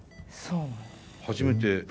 初めて。